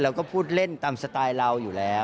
เราก็พูดเล่นตามสไตล์เราอยู่แล้ว